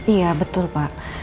iya betul pa